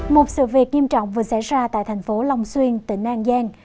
một sự việc nghiêm trọng vừa xảy ra tại thành phố long xuyên tỉnh an giang